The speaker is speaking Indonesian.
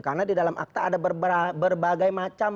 karena di dalam akta ada berbagai macam